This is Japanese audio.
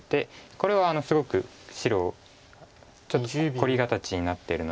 これはすごく白ちょっと凝り形になってるので。